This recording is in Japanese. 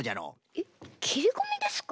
えっきりこみですか？